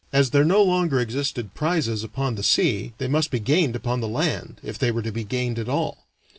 As there no longer existed prizes upon the sea, they must be gained upon the land, if they were to be gained at all.